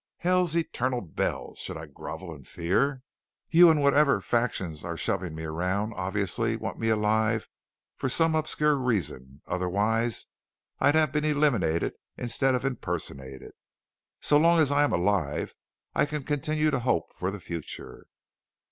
"Hell's Eternal Bells, should I grovel in fear? You and whatever other factions are shoving me around obviously want me alive for some obscure reason, otherwise I'd have been eliminated instead of impersonated. So long as I am alive I can continue to hope for the future."